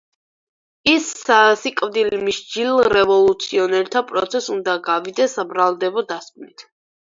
ის სიკვდილმისჯილ რევოლუციონერთა პროცესზე უნდა გავიდეს საბრალდებო დასკვნით.